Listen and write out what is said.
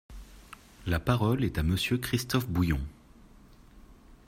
La parole est à Monsieur Christophe Bouillon.